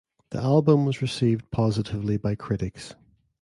The album was received positively by critics.